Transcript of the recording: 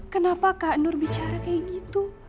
kenapa kak nur bicara kayak gitu